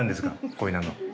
こういうの。